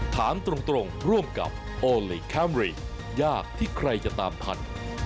ถามตรงร่วมกับโอลี่คัมรี่ยากที่ใครจะตามทัน